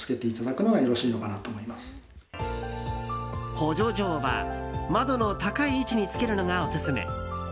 補助錠は、窓の高い位置につけるのがオススメ。